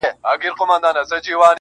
• توتکۍ چي ځالګۍ ته را ستنه سوه -